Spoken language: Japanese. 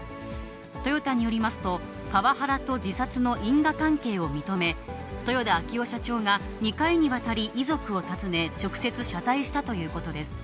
トヨタによりますと、パワハラと自殺の因果関係を認め、豊田章男社長が、２回にわたり遺族を訪ね、直接、謝罪したということです。